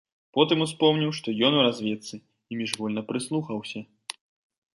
Потым успомніў, што ён у разведцы, і міжвольна прыслухаўся.